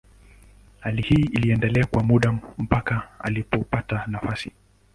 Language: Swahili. Hali hii iliendelea kwa muda mpaka alipopata nafasi.